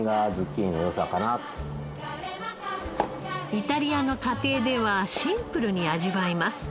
イタリアの家庭ではシンプルに味わいます。